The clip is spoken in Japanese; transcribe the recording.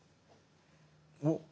おっ！